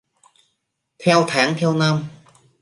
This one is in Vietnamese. Theo tháng theo năm